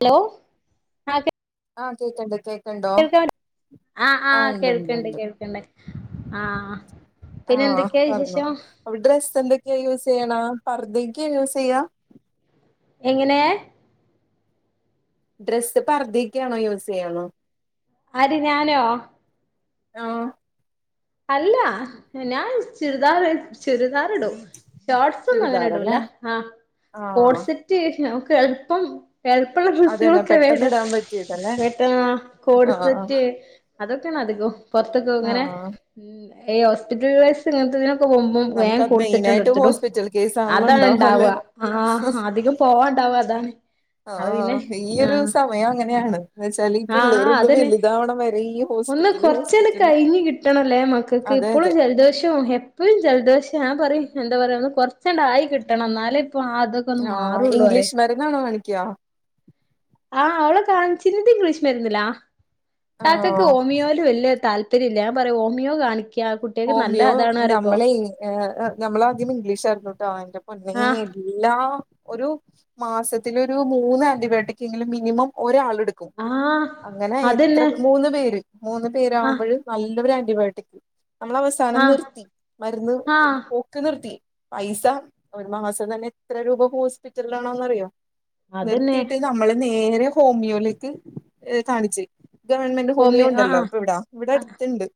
Hello ആഹ് കേക്കണ്ട് കേ ആഹ് ആഹ് ഇണ്ട് കേൾക്കണ്ട് ഇണ്ട് കേൾക്കണ്ട് ആഹ് പിന്നെന്തൊക്കെയാ വിശേഷം അവിടെ ഡ്രസ്സ് എന്തൊക്കെയാ യൂസെയ്യണ പർദേക്കെയാ യൂസെയ്യാ എങ്ങനെ ഡ്രസ് പർദ്ദേക്കാണോ യൂസെയ്യണേ ആര് ഞാനോ ആഹ് അല്ല ഞാൻ ചുരിദാർ ചുരിദാറിടും ഷോർട്സൊന്നും അങ്ങനിടൂല്ല ചുരിദാറല്ലേ ആഹ് ആഹ് കോഡ് സെറ്റ് ഞമുക്ക് എളുപ്പം വലിപ്പുള്ള അതന്നെ ഡ്രസ്സുകളൊക്കെ പെട്ടെന്ന് വേണ്ടേ ഇടാൻ പറ്റിയതല്ലേ [unintelligible] കോട് ആഹ് ആഹ് സെറ്റ് അതൊക്കെയാണധികോം പുറത്തൊക്കെ ഇങ്ങനെ ആഹ് ഈ ഹോസ്പിറ്റൽ വൈസ് ഇങ്ങനത്തെ ഇതിനൊക്കെ പോകുമ് വേം നമുക്കത് കൊടുത്തിട്ടുണ്ട് മെയിനായിട്ട് എടുത്തിട്ടു ഹോസ്പിറ്റൽ കേസ് ആണല്ലോ അതാണ് ഉണ്ടാവ അല്ലേ ണ്ടാവുക ആഹ് അധികം പോവാണ്ടാവും അതാണ് അത് പിന്നെ ആഹ് ഈ ഒരു ആഹ് സമയം അങ്ങനെയാണ് എന്ന്വച്ചാല് ഈ ആഹ് പിള്ളേരൊന്ന് അതന്നെ വലുതാവണ വരെ ഈ ഒന്ന് ഹോസ്പിറ്റല് കൊറച്ചങ്‌ട് ഹോസ്പിറ്റല് കഴിഞ്ഞ് കിട്ടണല്ലേ മക്കക്ക് അതെ ഇപ്പളും അതെ ജലദോഷോം ഇപ്പഴും ജലദോഷം ഞാ പറയും എന്താ പറയാ ഒന്ന് കുറച്ചെണ്ട് ആയി കിട്ടണം എന്നാലും ഇപ്പ അത് ആഹ് ഇംഗ്ലീഷ് മരുന്നാണോ കാണിയ്ക്ക ആഹ് അവളെ കാണിച്ചിരുന്നത് ഇംഗ്ലീഷ്മരുന്നിലാ ഇക്കാക്കക്ക് ആഹ് ഓമിയോല് വല്യ താല്പ രില്ല ഞാ പറയാ ഓമിയോ കാണിക്കാ കുട്ടി ഹോമിയോ നമ്മളെ നമ്മളാദ്യം ഇംഗ്ലീഷാരുന്നോട്ടോ എന്റെ പൊന്നേ ആഹ് എല്ലാ ഒരു മാസത്തിലൊരു മൂന്ന് ആന്റിബയോട്ടിക്കെങ്കിലും മിനിമം ഒരാളെടുക് ആഹ് അങ്ങനെ എത്ര അതന്നെ മൂന്ന് പേര് മൂന്ന് ആഹ് പേരാവുമ്പഴ് നല്ലൊരു ആന്റിബയോട്ടിക് നമ്മളവസാനം ആഹ് നിർത്തി മരുന്ന് ആഹ് ഒ ക്കെ നിർത്തി പൈസ ഒരു മാസം തന്നെ എത്ര രൂപ ഹോസ്പിറ്റലിലാണോന്ന്റിയോ അതന്നെ നിർത്തീട്ട് നമ്മള് നേരെ ഹോമിയോയിലേക്ക് കാണിച്ചു ഗവൺമെന്റ് ഹോമിയോ ഉണ്ടല്ലോ ഇപ്പൊ ഇവിട ഇവിടെ ആഹ് അടുത്തുണ്ട്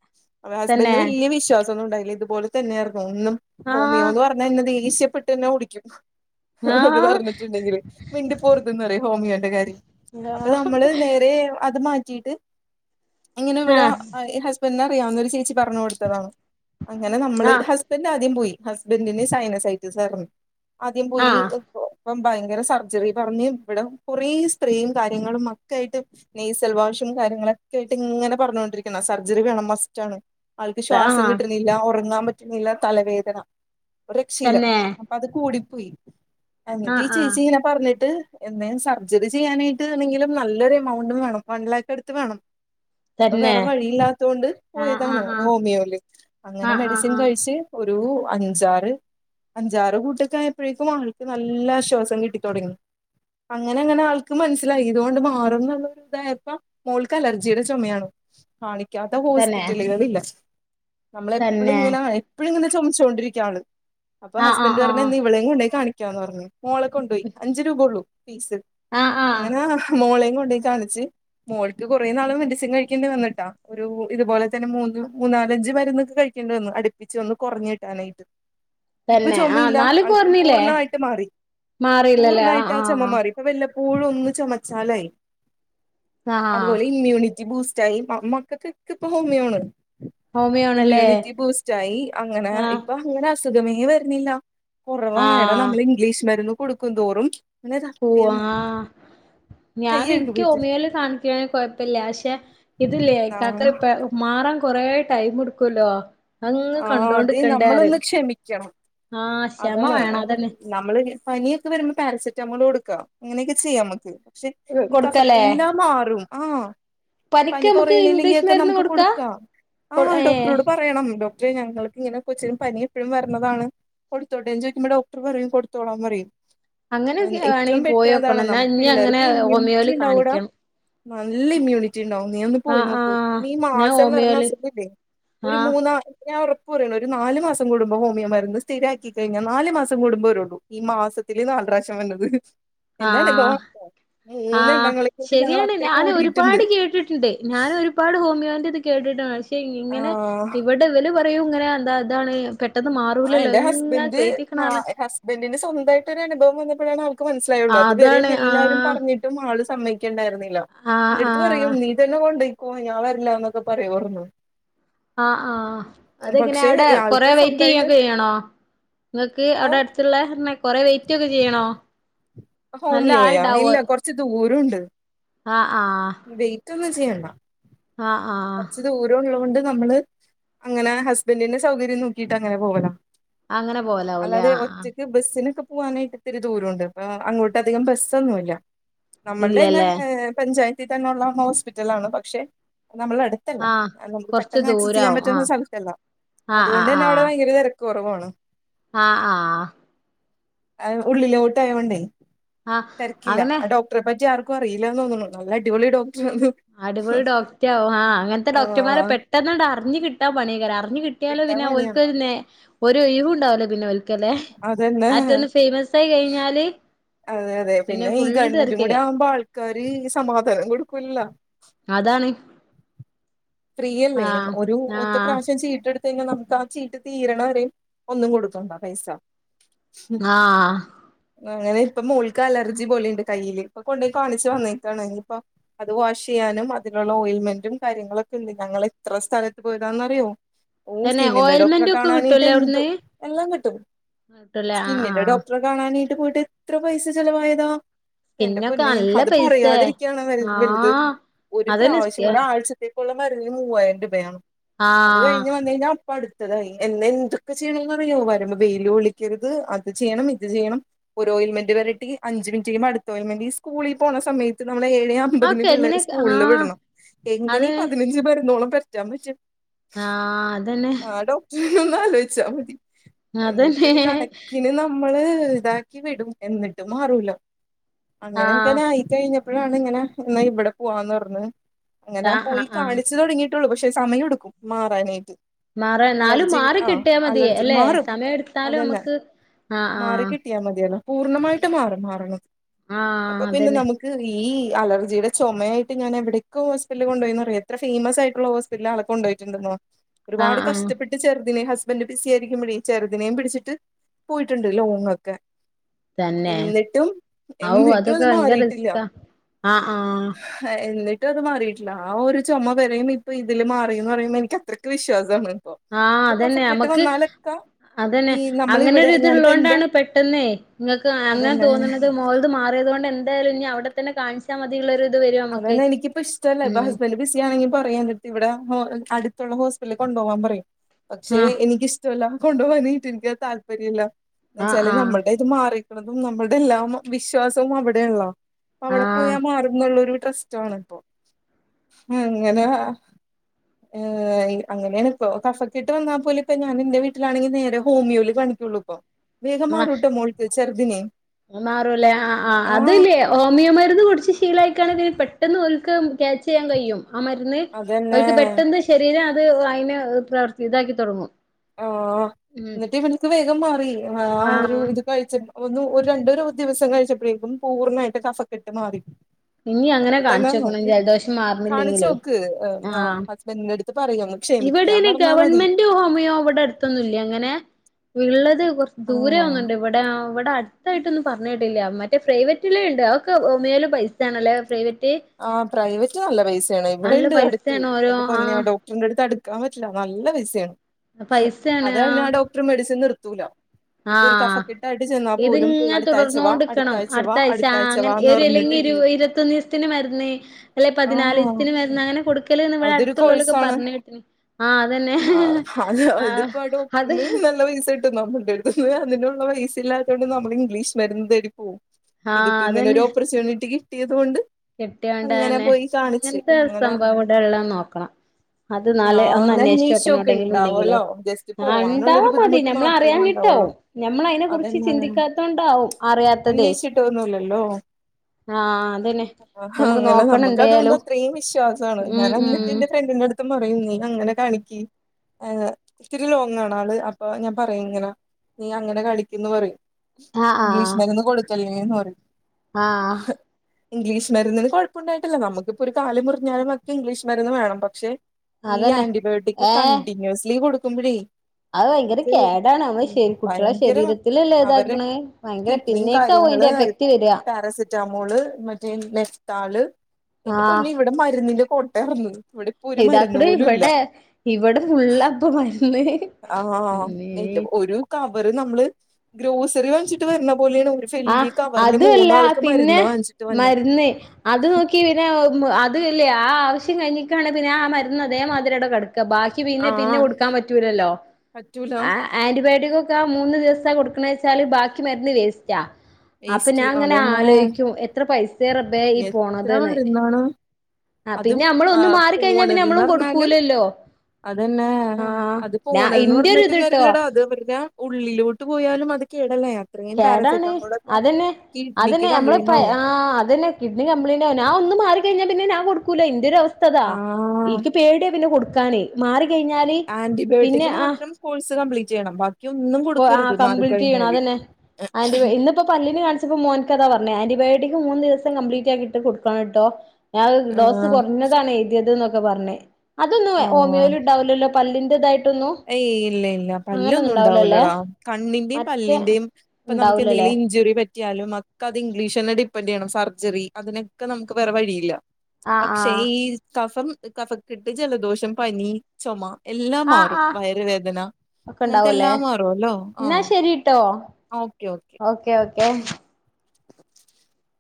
തന്നെ ഹസ്ബൻഡ് വിശ്വാസൊന്നും ഉണ്ടായില്ല ഇതുപോലെ തന്നെയാർന്നു അന്നും ആഹ് ഹോമിയോന്ന് പറഞ്ഞാ എന്നെ ദേഷ്യപ്പെട്ട ന്നെ ഓടിക്കും അത് ആഹ് പറഞ്ഞിട്ടുണ്ടെങ്കില് മിണ്ടി പോരത്‌ന്ന് പറയും ഹോമിയോന്റെ കാര്യം അപ്പൊ ആഹ് നമ്മള് നേരെ അത് മാറ്റിയിട്ട് ഇങ്ങനിവിടെ ആഹ് ഹസ്ബൻഡിനറിയാവുന്നൊരു ചേച്ചി പറഞ്ഞു അങ്ങനെ നമ്മള് ആഹ് ഹസ്ബൻ്റാദ്യം പോയി ഹസ്ബൻ്റിന് സൈനസൈറ്റിസാർന്നു ആദ്യം പോയി ആഹ് ഇപ്പം ഭയങ്കര സർജറി പറഞ്ഞ് ഇവിടെ കുറേ സ്ത്രീയും കാര്യങ്ങളും മക്കെയായിട്ട് നെയ്സൽ വാഷും കാര്യങ്ങളൊക്കെ ആയിട്ട് ഇങ്ങനെ പറഞ്ഞുകൊണ്ടിരിക്കുന്ന സർജറി വേണം മസ്റ്റ് ആണ് ആൾക്ക് ശ്വാസം ആഹ് കിട്ടണില്ല ഒറങ്ങാൻ പറ്റണില്ല തലവേദന ഒരക്ഷില്ല തന്നെ അപ്പത് കൂടിപ്പോയി അന്നട്ടി ആഹ് ആഹ് ചേച്ചീങ്ങന പറഞ്ഞിട്ട് എന്നേ സർജറി ചെയ്യാനായിട്ട് എന്തെങ്കിലും നല്ലൊരു എമൗണ്ടും വേണം വൺ ലാക്ക് അടുത്ത് വേണം അപ്പൊ തന്നെ വേറെ വഴിയില്ലാത്തോണ്ട് ആഹ് പോയതാണ് ആഹ് ആഹ് ഹോമിയോയില് അങ്ങനെ ആഹ് ആഹ് മെഡിസിൻ ആഹ് കഴിച്ച് ഒരൂ അഞ്ചാറ് അഞ്ചാറ് കൂട്ടക്കെ ആയപ്പഴേക്കും ആൾക്ക് നല്ല ആശ്വാസം കിട്ടി തുടങ്ങി അങ്ങനങ്ങന ആൾക്ക് മനസ്സിലായി ഇതുകൊണ്ട് മാറുംന്നുള്ള ഒരു ഇതായപ്പ മോൾക്ക് അലർജിയുടെ ചുമയാണ് കാണിക്കാത്ത തന്നെ ഹോസ്പിറ്റലുകളില്ല നമ്മളെപ്പളും തന്നെ ഇങ്ങന എപ്പഴും ഇങ്ങന ചൊമച്ചോണ്ടിരിക്കും അവള് അപ്പൊ ആഹ് ഹസ്ബന്റു ആഹ് പറഞ്ഞ് എ ആഹ് ന്നിവളേം കൊണ്ടോയി കാണിക്കാന്ന് പറഞ്ഞു മോളെ കൊണ്ടോയി അഞ്ചു രൂപയൊള്ളൂ ഫീസ് ആഹ് ആഹ് അങ്ങനാ മോളേം കൊണ്ടോയി കാണിച്ച് മോൾക്ക് കുറേ നാള് മെഡിസിൻ കഴിക്കേണ്ടി വന്നിട്ടാ ഒരു ഇതുപോലെ തന്നെ മൂന്ന് മൂന്നാലഞ്ച് മരുന്നൊക്കെ കഴിക്കേണ്ടി വന്നു അടുപ്പിച്ച് ഒന്ന് കുറഞ്ഞ് കിട്ടാനായിട്ട് ഇപ്പൊ തന്നെ ആഹ് ചുമയില്ല നാല് ആൾക്കും കൊറഞ്ഞില്ലേ പൂർണ്ണമായിട്ട് മാറി മാറിയില്ലല്ലേ ആഹ് പൂർണ്ണായിട്ട് ആ ആഹ് ചുമ മാറി. ഇപ്പ വല്ലപ്പോഴും ഒന്ന് ചൊമച്ചാലായി ആഹ് ആഹ് അതുപോലെ ഇമ്മ്യൂണിറ്റി ബൂസ് റ്റായി മ മക്കക്കെക്ക ഇപ്പ ഹോമിയോണ് ഹോമിയോണല്ലേ ഇമ്മ്യൂണിറ്റി ബൂസ്റ്റായി അങ്ങനെ ആഹ് ഇപ്പൊ അങ്ങനെ അസുഖമേ വരണില്ല കൊറവാണ് എടാ ആഹ് നമ്മള് ഇംഗ്ലീഷ് മരുന്ന് കൊടുക്കുംന്തോറും [unintelligible] കൈ ഞാൻ കഴുക് എനിക്ക് പോയിട്ട് ഹോമിയോയില് കാണിക്കണേല് കൊഴപ്പില്ല പക്ഷെ ഇതില്ലേ ആ ഇക്കാ‌ക്കിപ്പ മാറാൻ കൊറേ ടൈം എടുക്കൂല്ലോ അങ്ങ് ആ അതെ കണ്ടോണ്ടിക്കണ്ടേറയും നമ്മളൊന്ന് ക്ഷമിക്കണം ആഹ് ക്ഷമ അതാണ് വേണം അതന്നെ നമ്മള് പനിയൊക്കെ വരുമ്പൊ പാരസെറ്റമോള് കൊടുക്ക അങ്ങനേക്കെ ചെയ്യാമ്മ്ക്ക് ക്ഷെ ഈ കഫ കൊടുക്കലേ എല്ലാം മാറും ആഹ് പനിക്ക് പനി നമുക്ക് കൊറയുന്നില്ലെങ്കി ഇംഗ്ലീഷ് ഒക്കെ മരുന്ന് നമുക്ക് കൊടുക്കാ കൊടുക്കാം കൊ ആഹ് ഏ ഡോക്ടറോട് പറയണം ഡോ ക്ടറേ ഞങ്ങൾക്ക് ഇങ്ങനെ കൊച്ചിന് പനി എപ്പഴും വരണതാണ് കൊടുത്തേട്ടേന്ന് ചോദിക്കുമ്പൊ ഡോക്ടറ് പറയും കൊടുത്തോളാൻ പറയും അങ്ങനെയൊക്കെ എഹ് ഏറ്റവും വേണെങ്കി ബെറ്റർ പോയോക്കണം അതാണ് എന്നാ നമു ഇനി അങ്ങനെ പിള്ളേർക്ക് ഇമ്മ്യൂണിറ്റി ഹോമിയോല് ഇണ്ടാവൂടാ കാണിക്കണം നല്ല ഇമ്മ്യൂണിറ്റി ഇണ്ടാവും നീ ഒന്ന് പോയി ആഹ് നോക്ക് ആഹ് പിന്നെ ഈ ഞാൻ മാസം വരണ ഹോമിയോല് അസുഖില്ലേ ഒരു ആഹ് മൂന്നാ ഞാൻ ഒറപ്പ് പറയണു ഒരു നാല് മാസം കൂടുമ്പൊ ഹോമിയോ മരുന്ന് സ്ഥിരാക്കി കഴിഞ്ഞ നാല് മാസം കൂടുമ്പോ വരുള്ളു ഈ മാസത്തില് നാല് പ്രാവശ്യം വന്നത് ആഹ് ആഹ് മൂന്നെണ്ണങ്ങളെ കൊണ്ട് ഞങ്ങൾ ശരിയാണ് അത്രയും ഓടിയിട്ടുണ്ട് ഞാനൊരുപാട് കേട്ടിട്ടിണ്ട് ഞാനൊരു പാട് ഹോമിയോന്റിത് കേട്ടിട്ടാണ് ക്ഷെ ഇങ്ങനെ ആഹ് ഇവിടെ ഇവല് പറയും ഇങ്ങനെ എന്താ ഇതാണ് പെ ട്ടെന്ന് മാറൂലല്ലോ ഇങ്ങനെ കേട്ടീക്കണ കാരണം ബെന്റിന് സ്വന്തായിട്ടൊരു അനുഭവം വന്നപ്പഴാണ് അവൾക്ക് മനസ്സിലായുള്ളു അത് വരെയും അതാണ് എല്ലാരും ആഹ് പറഞ്ഞി ട്ടും അവള് സമ്മയ്ക്കെണ്ടായിരുന്നില്ല ആഹ് എന്റെടുത്ത് പറയും ആഹ് നീ തന്നെ കൊണ്ടോയ്ക്കോ ഞാൻ വരില്ലാന്നൊക്കെ പറയും [unintelligible] ആഹ് ആഹ് അതെങ്ങനേ പക്ഷെ അവിടെ കൊറെ ഇയാൾക്ക് വെയിറ്റ് സ്വന്തായിട്ട് ചെയ്യൊക്കെ ചെയ്യണോ നിങ്ങക്ക് ഓ അവിടടു ത്തിള്ളെ [unintelligible] കൊറെ വെയിറ്റ് ഒക്കെ ചെയ്യണോ നല്ല ഹോമിയോയാ ഇല്ല കൊറച്ച് ദൂരുണ്ട് അഹ് ആഹ് വെയിറ്റ് ഒന്നും ചെയ്യണ്ട അഹ് ആഹ് ദൂരോള്ളോണ്ട് നമ്മള് അങ്ങനെ ഹസ്ബൻഡിന്റെ സൗകര്യം നോക്കിയിട്ടങ്ങനെ പോകലാ അങ്ങനെ പോവലാവൂല്ലേ അല്ലാതെ ആഹ് ഒറ്റ ആഹ് ക്ക് ബസ്സിനൊക്കെ പോവാനായിട്ട് ഇത്തിരി ദൂരോണ്ട് അപ്പ അങ്ങോട്ട് അധികം ബസ്സൊന്നുല്ല നമ്മൾടെ തന്നെ ഇല്ലല്ലേ ഏഹ് പഞ്ചായത്തിതന്നെ ഒള്ള ഹോസ്പിറ്റലാണ് പക്ഷെ നമ്മളടടു ത്തല്ല ആഹ് കാരണം നമുക്ക് കൊറച്ച് പെട്ടെന്ന് ആക്സസ് ചെയ്യാൻ ദൂരാവും പറ്റുന്ന ആഹ് സ്ഥലത്തല്ല ആഹ് അതുകൊണ്ട് ആഹ് തന്നെവിടെ ഭയങ്കര തെര ക്ക് കൊറവാണ് ആഹ് ആഹ് അഹ് ഉള്ളിലോട്ട് ആയൊണ്ടേ ആഹ് തെരക്കില്ല അങ്ങനെ ഡോ ക്ടറെ പറ്റി ആർക്കും അറിയില്ലാന്ന് തോന്ന്ണു നല്ല അടി പൊളി ഡോക്ടറാന്ന് അടിപൊളി ഡോറ്റാവും ആഹ് അങ്ങന് ത്തെ ആ ഡോക്ടർമാരെ പെട്ടെന്നാണ്ട് അറിഞ്ഞു കിട്ടാൻ പണീകാരം അറിഞ്ഞ് കി ട്ടിയാലോ വിട്ടാൻ പിന്നെ പണിയാണ് ഒൽക്ക് ര്നേ ഒര് ഒഴിവും ണ്ടാവുല്ല പിന്നെ ഒൽക്കല്ലെ അതന്നെ അഹറ്റെ നസ് ഫേയിമസ് ആയി കഴിഞ്ഞാല് അതെ അതെ പിന്നെ ഈ ഫുള്ള് ഗവൺമെന്റും കൂടി തിരക്കയ്ക്കാ ആവുമ്പോ ആൾക്കാര് സമാധാനം കൊടുക്കൂലല്ലേ അതാണ് ഫ്രീയല്ലേ ആഹ് ഒരു ഒറ്റ ആഹ് പ്രാവശ്യം ചീട്ടെടു ത്തെയിഞ്ഞ നമുക്ക് ആഹ് ചീട്ട് തീര്ണവരെയും ഒന്നും കൊടുക്കണ്ട പൈസ ആഹ് അങ്ങനെ ഇപ്പോ മോൾക്ക് അലർജി പോലെയുണ്ട് കയ്യില് ഇപ്പ കൊണ്ടോയി കാണിച്ച് വന്നേക്കാണ് ഇനി ഇപ്പ അത് വാഷ്യ്യാനും അതിന്ള്ള ഓയിൽമെന്റും കാര്യങ്ങളൊ ക്കെണ്ട് ഞങ്ങൾ എത്ര സ്ഥലത്ത് പോയതാന്ന്ന്നാറിയോ ഓ തന്നെ സ്കിന്നിന്റെ ഡോക്ടറെ ഓയിൽമെന്റ് ഒക്കെ കാണാനായിട്ട് കിട്ടൂലേ എന്തോ അവിടുന്ന് എല്ലാം കിട്ടും കിട്ടൂലേ ആഹ് സ്കിന്നിന്റെ ആഹ് ഡോക്ടറെ കാണാനീട്ട് പോയിട്ട് എത്ര പൈസ ചെലവായതാ എന്റെ സ്കിന്നൊക്കെ പൊന്നെ നല്ല അത് പൈസേ പറയാതിരിക്കയാണ് വേ വല്ത് ആഹ് ഒരു അതന്നെ സ്കി പ്രാവിശ്യം ഒരാഴ്ച ക്കുള്ള മരുന്ന് മൂവായിരം രൂപയാണ് അത് ആഹ് കഴിഞ്ഞ് വന്ന ഴിഞ്ഞാ പ്പം അടുത്തതായി എന്നെ എന്തൊക്കെ ചെയ്യണേന്ന്റിയോ വരുമ്പോ വെയില് കൊളിക്കരുത് അത് ചെയ്യണം ഇത് ചെയ്യണം ഒരു ഓയിൽമെന്റ് പരട്ടി അഞ്ച് മിനിറ്റ്ഴിമ്പ അടുത്ത ഓയിമെന്റ് സ്കൂളി പോണ സമയത്ത് നമ്മള് ഏഴേ അമ്പതിന് അതൊക്കെ പിള്ളേ എങ്ങനെ രെ സ്കൂള് ആഹ് വിടണം എങ്ങനെ അത് ഈ പതിനഞ്ച് മരുന്നോളം പരറ്റാൻ പറ്റ ആഹ് അതന്നെ ജ് ഒന്ന് ആലോയിച്ചാ മതി അതന്നെ എന്നിട്ടരു കണക്കിന് ന നമ്മള് ഇതാക്കി വിടും എന്നിട്ട് മാറൂലോ അങ്ങനെക്കെ ആഹ് തായി കഴിഞ്ഞപ്പഴാണ് ഇങ്ങനെ ന്നാ ഇവിടെ പോവാന്ന് പറ്ഞ്ഞ് അങ്ങനെ ആഹ് ആഹ് പോയി ആഹ് ചില് തുടങ്ങിയിട്ടുള്ളൂ പക്ഷെ സമയ ട്ക്കും മാറാനായിട്ട് മാറ എന്നാലും അലർജി മാറി ആഹ് കിട്ടിയാ മതി അലർജി അല്ലെ മാറും സമയം എടുത്താലും അതന്നെ നമുക്ക് ആഹ് മാറി കിട്ടിയാ മതിയല്ലോ പൂർണ്ണമായിട്ട് ആഹ് മാറും മാറണം അപ്പൊ ആഹ് പിന്നെ അതന്നെ നമ്മക്ക് ഈ അലർജിയുടെ ചുമയായിട്ട് ഞാൻ എവിടെക്കോ ഹോസ്പിറ്റലി കൊണ്ടോയി ന്ന് അറിയ എത്ര ഫേയ്മസ് ആയിട്ടുള്ള ഹോസ്പിറ്റല് ആളെ കൊണ്ടോയിട്ടുണ്ടന്നോ ആഹ് അതന്നെ ഒരുപാട് ആഹ് ആഹ് കഷ്ടപ്പെ ട്ട് ചെറ്തിനെ ഹസ്ബൻഡ് ബി സി ആരിക്കുമ്പഴേ ചെറുതിനെ പിടിച്ചിട്ട് പോയിട്ടുണ്ട് ലോങ് ഒക്കെ തന്നെ എന്നിട്ടും ഔ എന്നിട്ടും അതൊക്കെ അത് ഭയങ്കര മാറിട്ടില്ല റിസ്കാ ആഹ് ആഹ് ഹേ എന്നിട്ടുഅത് മാറിട്ടില്ല ആ ഒരു ചൊമ വരെയും ഇപ്പ ഇതില് മാറീന്ന് പറയു മ്പം എനിക്ക് അത്രയ്ക്ക് വിശ്വാസാണ് ആഹ് അതന്നെ നമ്മക്ക് അതന്നെ ഈ അങ്ങനെ ഒര് നമ്മളിവിടെ ഞാനിപ്പോ എന്റെ ഇത്ള്ളോണ്ടാണ് പെട്ടന്നേ ഇങ്ങൾക്ക് അങ്ങനെ അതന്നെ തോന്ന്ണത് മോൾ- - ത് മാറിയത് കൊണ്ട് എന്തായാലും ഇനി അവിടെ തന്നെ കാണിച്ചാൽ മതീ ള്ളൊര് ഇത് വരും നമ്മക്ക് അതന്നെ എനിക്കിപ്പ ഇഷ്ടല്ല ഇപ്പൊ ഹസ്ബൻഡ് ബിസി ആണെങ്കി പറയും എന്റടുത്തി ഇവിടെ ഹോ അടുത്തുള്ള ഹോസ്പിറ്റ്ല്ൽ കൊണ്ടോവാ പറയും പക്ഷെ ആഹ് എനിക്കിഷ് റ്റല്ല കൊണ്ട് വാനി റ്റെ ഇൻകഹ് താല്പര്യല്ല എന്ന് ആഹ് വെച്ചാല് ആഹ് നമ്മള്ടെ മാറീക്ക്ണതും നമ്മടെ എല്ലാം വിശ്വാസവും അവിടെ ണല്ലോ പ്പഅവിടെ പോയാ ആഹ് മാറുന്ന്ള്ളരു ട്രാഷ്റ്റാണ് പ്പോ അങ്ങനെ വ [unintelligible] ഏഹ് അങ്ങനെയാണ് ഇപ്പൊ കഫക്കട്ട് വന്നാ പോലു ഇപ്പോ ഞാൻ എന്റെ വീട്ടിലാണെങ്കി നേരെ ഹോമിയോൽ കാണിക്കൊള്ളൂ ഇപ്പൊ വേഗം മാറൂട്ടോ മോൾക്ക് ചെറ്തിന് മാറും അല്ലേ ആഹ് ആഹ് അത് ലെയോ ഹോമിയോ മരുന്ന് കുടിച്ച് ശീലാ യിക്കാണെങ്കില് പെട്ടെന്ന് ഓൽക്ക് അഹ് ക്യാച്ച് ചെയ്യാൻ കഴിയും ആഹ് മരുന്ന് അതന്നെ ഓൽക്ക് പെട്ടെന്ന് ശരീരം അത് അയിന് പ്രവർത്തി ഇതാക്കി തൊടങ്ങും ആഹ് ഉം എന്നിട്ട് ഇവൾക്ക് വേഗം മാറി ആ ഒരു ആഹ് ഇത് കഴിച്ചപ്പ് ഒന്ന് ഒരു രണ്ടോഒരു ദിവസം കഴിച്ചപ്പോഴേക്കും പൂർണ്ണായിട്ട് കഫക്കെട്ട് മാറി ഇനി അങ്ങനെ അപ്പൊ തന്നെ കാണിച്ചോക്കണം നമുക്ക് ജലദോഷം കാണിച്ചു മാറുന്നില്ലെങ്കിലേ നോക്ക് ആഹ് ഹസ്ബൻഡിന്റെ അടുത്ത് പറയും ഒന്ന് ക്ഷമിക്കാൻ ഇവിടെല്ലേ പറഞ്ഞാ മതി ഗവൺമെന്റ് ഹോമിയോ അവിടെടു അടുത്തൊന്നില്ല അങ്ങനെ ഉള്ളത് കുറച്ച് ദൂര ആഹ് ഒന്നുണ്ട്, ഇവിടെ ഇവിടെ,, ഇതായിട്ടൊന്നും പറഞ്ഞിട്ടില്ല മറ്റേ പ്രൈവറ്റില ഉണ്ട് അവർക്കെ ഹോമിയോയില് പൈസ ആണല്ലേ പ്രൈവറ്റ് ആഹ് പ്രൈവറ്റ് നല്ല പൈസയാണ് ഇവിടെ നല്ല ഉണ്ട് അടുത്ത് പൈസയാണ് ഓരോ എന്റെ പൊന്നെ ആഹ് ഡോക് ഡോക്ടറിന്റെ അടുത്ത് അടുക്കാൻ പറ്റില്ല നല്ല പൈസയാണ് പൈസയാണ് അത കഴിഞ്ഞ ആഹ് ആ ഡോക്ടർ മെഡിസിൻ നിർത്തൂല ഇപ്പൊ ഒരു ആഹ് കഫക്കെട്ടായിട്ട് ചെന്നാ പോലും ഇതിങ്ങനെ അടുത്താഴ്ചവാ തുടർന്നോണ്ട്ക്കണം അടുത്താഴ്ചവാ അടുത്താഴ്ചവാ എന്ന് പറഞ്ഞിട്ട് ഇരിക്കും ഇരുത്തൊന്ന് ദിവസത്തിന് മരുന്ന് അല്ലെ പതിനാല് ആഹ് ദസത്തിന് മരുന്ന് അങ്ങനെ കൊടുക്കല്ന്ന് ഇവിടെ അതൊരു അടുത്തുള്ളവലൊക്കെ കോഴ്സാണ് പറഞ്ഞഞ് കേട്ടണി ആ അതന്നെ അഹ്അതാ ആഹ് അതിപ്പോ ആ അത് ഡോക്ടറിന് നല്ല പൈസ,, നമ്മുടെ അടുത്തൂന്ന് അതിനുള്ള പൈസയില്ലാത്തൊണ്ട് നമ്മൾ ഇംഗ്ലീഷ് മരുന്ന് തേടി പോവും ആഹ് ഇതിപ്പോ ഇങ്ങനെൊ ഒരു ഓപ്പർച്യൂണിറ്റി കിട്ടിയത് കൊണ്ട്,, കിട്ടിയോണ്ട അങ്ങനെ തന്നെ പോയി കാണിച്ച് അങ്ങനത്തെ അങ്ങനെ സംഭവം ഇവിടെ ഉള്ളന്ന് നോക്കണം അത് ആ നാളെ ഒന്ന് അന്വേഷിച്ചച്ച് അന്വേഷിച്ചോക്ക് വോക്കണോടെെങ്കിലും ഉണ്ടെങ്കിലോ ഇണ്ടാവല്ലോ ജസ്റ്റ് ആഹ് ഉണ്ടാവ പോവാനുള്ളൊരു മതി ബുദ്ധിമുട്ട് നമ്മള മാത്രമേ ഉണ്ടാവുള്ളൂ അറിയാഞ്ഞിട്ടാവും നമ്മൾ അതിനെ കുുറിച്ച് അതന്നെ ചിന്തിക്കാത്ത കൊണ്ടാവും അറിയാത്തതെ അന്വേഷിച്ചിട്ടൊന്നുമില്ലല്ലോ ആഹ് അതന്നെ ആഹാ അങ്ങനെ നോക്കണം നമുക്ക് അതുകൊണ്ട് എന്തായാലും അത്രേയും വിശ്വാസാണ് ഉം ഞാൻ എന്നിട്ട് ഉം ഇന്റെ ഫ്രണ്ടിന്റെ എടു പറയുന്നേ അങ്ങനെ കാണിക്കി അത് ഇത്തിരി ലോങ്ങാണ് ആള് അപ്പൊ ഞാൻ പറയ ഇങ്ങനെ നീ അങ്ങനെ കളിക്കന്ന് പറയും ആഹ് ഇംഗ്ലീഷ് മരുന്ന് കൊടുക്കല്ലന്ന് പറയും അഹ് ഇംഗ്ലീ്ഷ് മരുന്നിന് കുഴപ്പുണ്ടായിട്ടില്ല നമുക്കൊരു ഒരു കാല്മുറിഞാലൊക്കെ ഇംഗ്ലീഷ് മരുന്ന് വേണം പക്ഷെ ഈ അതന്നെ ആന്റിബയോട്ടിക് ഏഹ് കണ്ടിന്യൂസ്ലിലി കൊടുക്കുമ്പോഴേ അത് ഭയങ്കര അവർക്ക് കേടാണ് നമ്മള് ശരി കുട്ടികളെ ഭയങ്കര ശരീരത്തിലല്ലേ അവരുടെ ഇതാക്കണേ ഭയങ്കര കിഡ്നി പിന്നേക്കാവും അതിന്റെ കാര്യങ്ങള് എഫക്ട് വരിക പാരസെറ്റാമോള് മറ്റേ മെഫ്ത്താള് എന്റെ ആഹ് പൊന്നെ ഇവിടെ മരുന്നിന്റെ കോട്ട ആരുന്നു ഇതാക്കിട ഇവിടെ ഇവിടെ ഫുള്ളപ്പ മരുന്നു ആഹ് അഹ് അഹ് എന്നിട്ട് ഒരു കവറ് നമ്മള് ഗ്രോസറി വാ ങ്ങിച്ചിട്ട് വരണ പോലെയാണ്,, ആഹ് വലിയ കവറില് അതുവല്ല മൂന്നാൾക്ക് പിന്നെ മരുന്ന് വാങ്ങിച്ചിട്ട് വന്നത് മരുന്ന് അത് നോക്കി പിന്നെ അതല്ലേ ആ ആവശ്യം കഴിട്ടാണ് പിന്നെ ആ മരുന്ന് അതേമാതിരി അവിടെ കിടക്കുക ബാക്കി,, പിന്നെ പിന്നെ ആഹ് കൊടുക്കാൻ പറ്റൂലല്ലോ പറ്റൂല ആഹ് ആന്റിബയോട്ടിക് ഒക്കെ ആ മൂന്ന് ദിവസ കൊടുക്കണ വെച്ചാല് ബാക്കി മരുന്ന് വേസ്റ്റ്റ്റാ. അപ്പൊ വേസ്റ്റ് ഞാൻ അങ്ങനെ അതന്നെ ആലോചിക്കും എത്ര പൈസ റബേ ഈ പോണതന്ന് അത് ആ മാറിക്കഴിഞ്ഞാ പിന്നെ പോണന്ന് നമ്മളും പറഞ്ഞാലും കൊടുക്കൂലല്ലോ അതന്നെ ആ അത് ഞാ പോണന്ന് ഇന്റെ ഒരു പറഞ്ഞിട്ടും ഇതിട്ടോ കാര്യല്ലടാ അത് പിന്നെ ഉള്ളിലോട്ട് പോയാലും അത് കേടല്ലേ അത്രയും കേടാണ് പാരസെറ്റമോളൊക്കെ അതന്നെ കിഡ്നിക്ക് അതിന് നമ്മള്ളിപ്പ കംപ്ലൈന്റ് ആവും ആ അതിന് കിഡ്നി കംപ്ലിയിന്റവാന് ഞാൻ ഒന്ന് മാറി കഴിഞ്ഞാ പിന്നെഞാൻ കൊടുക്കൂല്ല ഇന്റെ ഒരവ സ്ഥ,, ആ എനിക്ക് പേടിയ പിന്നെ കൊടുക്കാന് മാറി കഴിഞ്ഞാല് പിന്നെ ആന്റിബയോട്ടിക് ആ മാത്രം കോഴ്സ് കംപ്ലീറ്റ് ചെയ്യണം ബാക്കി ഒന്നും ആ കൊടുക്കരുത് കംപ്ലീറ്റ് ചെയ്യണം മാറിക്കഴിഞ്ഞാല് അതന്നെ ആന്റിബയോ ഇന്ന് ഇപ്പ പല്ലിനെ കാണിച്ചപ്പോ മോൻക് പറഞ്ഞേ ആന്റിബയോിക് മൂന്ന് ദിവസം കംപ്ലീറ്റ് ആയിട്ട് കൊടുക്കണം കേട്ടോ. അത് ആ ഡോസ് കുറഞ്ഞതാണ് എഴുതിയത് എന്നൊക്കെ പറഞ്ഞേ, അതൊന്നും ആ ഹോമിയോല ഉണ്ടാവില്ലല്ലോ പല്ലിൻ്റെ തായിട്ടൊന്നു ഏയ് ഇല്ല ഇല്ല പല്ലൊന്നും ഉണ്ടാവൂലടാ കണ്ണിൻ്റിം മറ്റേ പല്ലിന്റെയും ഇപ്പ നമുക്ക് ഉണ്ടാവൂലല്ലേ എന്തെങ്കിലും,, ജുറി പറ്റിയാലും അക്ക അത് ഇംഗ്ലീഷന്നെ ഡിപ്പെൻ്റെയ്യണം. സർജറി അതിനൊക്കെ നമുക്ക് വേറെ വഴിയില്ല ആഹ് പക്ഷേ ആഹ് ഈ കഫം, കഫക്കെട്ട്, ജലദോഷം, പനി, ചുമ എല്ലാം ആഹ് മാറും ആഹ് വയറ് വേദന ഒക്കെ അങ്ങനത്തെ ഇണ്ടാവൂല്ലേ എല്ലാം മാറുവല്ലോ ന്നാ ആഹ് ശരി ട്ടോ ഓക്കെ ഓക്കെ [inaudible]